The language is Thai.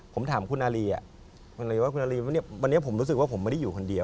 ผมถามคุณอารีวันนี้ผมรู้สึกว่าผมไม่ได้อยู่คนเดียว